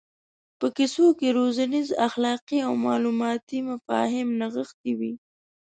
په کیسو کې روزنیز اخلاقي او معلوماتي مفاهیم نغښتي وي.